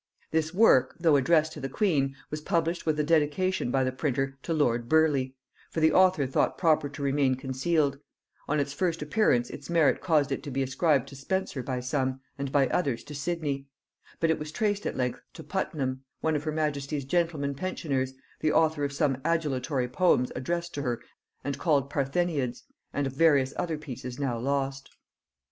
This work, though addressed to the queen, was published with a dedication by the printer to lord Burleigh; for the author thought proper to remain concealed: on its first appearance its merit caused it to be ascribed to Spenser by some, and by others to Sidney; but it was traced at length to Puttenham, one of her majesty's gentleman pensioners, the author of some adulatory poems addressed to her and called Partheniads, and of various other pieces now lost.